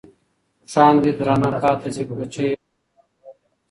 اوښـان دې درنه پاتې شي كوچـۍ بلا وهلې.